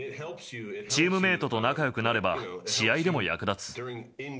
チームメートと仲よくなれば、試合でも役立つ。